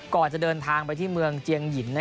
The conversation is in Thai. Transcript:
ก่อนจะเดินทางไปที่เมืองเจียงหยิม